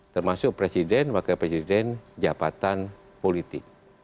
termasuk presiden wakil presiden jabatan politik